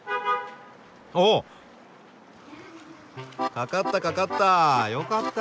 かかったかかった。